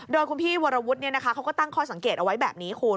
โดยคุณพี่วรวุฒิเขาก็ตั้งข้อสังเกตเอาไว้แบบนี้คุณ